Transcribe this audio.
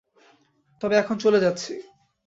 তবে এখন চলে যাচ্ছি।